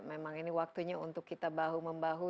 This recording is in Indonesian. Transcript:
memang ini waktunya untuk kita bahu membahu